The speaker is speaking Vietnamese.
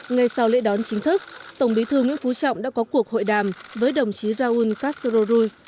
ngay sau lễ đón chính thức tổng bí thư nguyễn phú trọng đã có cuộc hội đàm với đồng chí raul cacero ruiz